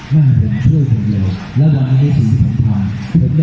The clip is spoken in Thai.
มาให้ผมทั่วคนเดียวมาให้ผมช่วยคนเดียว